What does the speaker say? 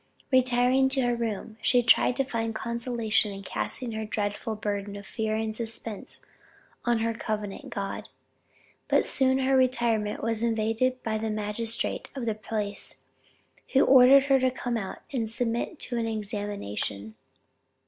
Retiring to her room, she tried to find consolation in casting her dreadful burden of fear and suspense on her covenant God. But soon her retirement was invaded by the magistrate of the place, who ordered her to come out and submit to an examination.